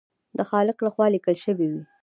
د خالق لخوا لیکل شوي وي.